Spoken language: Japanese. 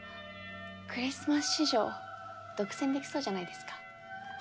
クリスマス市場独占できそうじゃないですか？